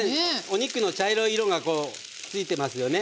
お肉の茶色い色がこうついてますよね。